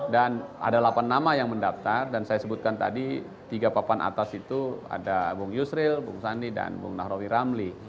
dan ada lapan nama yang mendaftar dan saya sebutkan tadi tiga papan atas itu ada bung yusril bung sandi dan bung nahrawi ramli